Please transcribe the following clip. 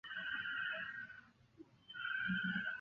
清朝称小麻线胡同。